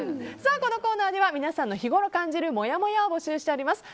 このコーナーでは皆さんの日頃感じるもやもやを募集しています。